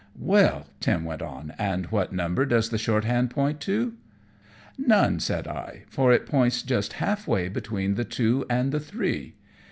"Well," Tim went on, "and what number does the short hand point to?" "None," said I, "for it points just half way between the two and the three."